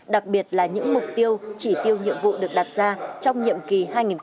đặc biệt là những mục tiêu chỉ tiêu nhiệm vụ được đặt ra trong nhiệm kỳ hai nghìn hai mươi hai nghìn hai mươi năm